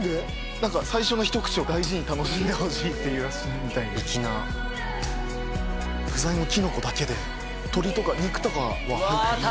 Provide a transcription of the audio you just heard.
何か最初の一口を大事に楽しんでほしいみたいで粋な具材もきのこだけで鶏とか肉とかは入ってないです